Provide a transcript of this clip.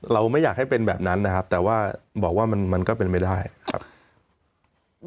ไม่อยากให้เป็นแบบนั้นนะครับแต่ว่าบอกว่ามันมันก็เป็นไม่ได้ครับ